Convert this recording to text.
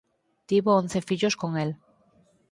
Tivo once fillos con el.